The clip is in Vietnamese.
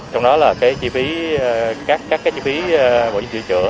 trong đó là các chi phí bảo dân chữa trở